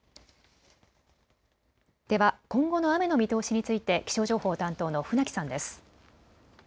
では今後の雨の見通しについて気象情報担当の船木さんです。